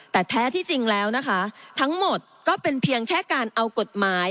แต่แท้ที่จริงแล้วนะคะทั้งหมดก็เป็นเพียงแค่การเอากฎหมาย